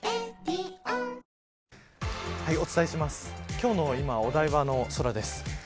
今日のお台場の空です。